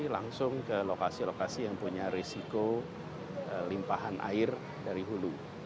langsung ke lokasi lokasi yang punya risiko limpahan air dari hulu